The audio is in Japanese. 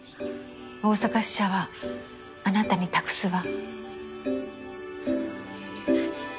大阪支社はあなたに託すわ。